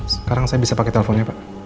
sekarang saya bisa pakai teleponnya pak